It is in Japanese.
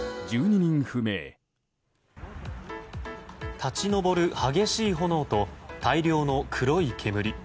立ち上る激しい炎と大量の黒い煙。